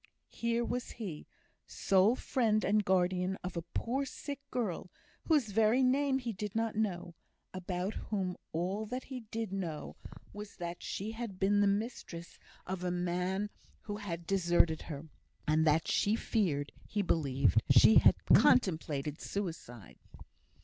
Here was he, sole friend and guardian of a poor sick girl, whose very name he did not know; about whom all that he did know was, that she had been the mistress of a man who had deserted her, and that he feared he believed she had contemplated suicide.